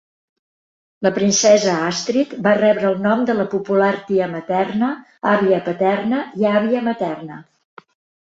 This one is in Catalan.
La princesa Àstrid va rebre el nom de la popular tia materna, àvia paterna i àvia materna.